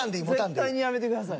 絶対にやめてください。